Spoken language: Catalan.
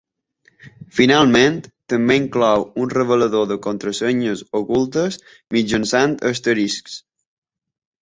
Finalment, també inclou un revelador de contrasenyes ocultes mitjançant asteriscs.